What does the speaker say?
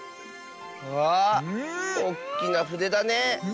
うわあおっきなふでだね。